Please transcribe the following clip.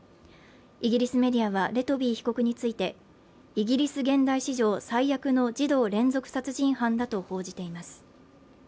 イギリスメディアはレトビー被告についてイギリス現代史上最悪の児童連続殺人犯だと報じています。